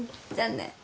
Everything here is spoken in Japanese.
じゃあね。